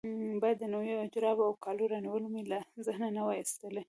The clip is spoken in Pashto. باید د نویو جرابو او کالو رانیول مې له ذهنه نه وای ایستلي.